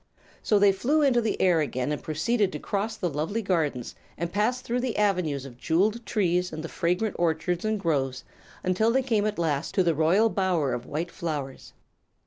So they flew into the air again and proceeded to cross the lovely gardens and pass through the avenues of jewelled trees and the fragrant orchards and groves until they came at last to the royal bower of white flowers.